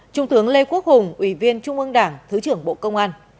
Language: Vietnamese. trung tướng lê quốc hùng ủy viên trung ương đảng thứ trưởng bộ công an